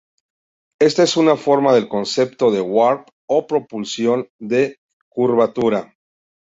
Esta es una forma del concepto de Warp o propulsión de curvatura.